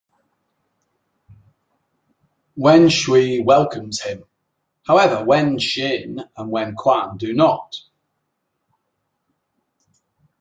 Wen Shui welcomes him; however Wen Xin and Wen Quan do not.